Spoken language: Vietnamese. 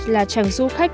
là chàng du khách